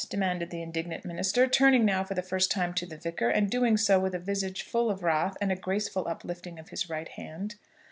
demanded the indignant minister, turning now for the first time to the Vicar, and doing so with a visage full of wrath, and a graceful uplifting of his right hand.